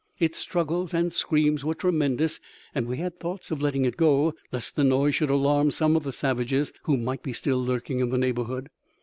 Its struggles and screams were tremendous, and we had thoughts of letting it go, lest the noise should alarm some of the savages who might be still lurking in the neighbourhood.